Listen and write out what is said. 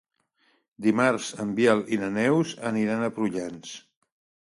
Dimarts en Biel i na Neus aniran a Prullans.